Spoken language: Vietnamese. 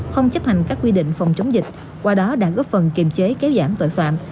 không chấp hành các quy định phòng chống dịch qua đó đã góp phần kiềm chế kéo giảm tội phạm